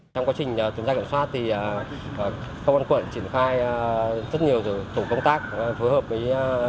trong quá trình tuần tra kiểm soát thì công an quận triển khai rất nhiều tổ công tác phối hợp với